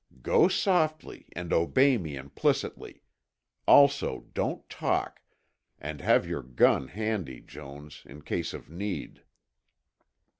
"Go softly and obey me implicitly. Also don't talk, and have your gun handy, Jones, in case of need."